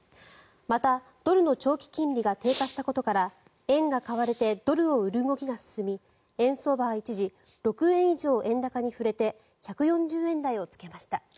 また、ドルの長期金利が低下したことから円が買われてドルを売る動きが進み円相場は一時６円以上円高に振れて１４０円台をつけました。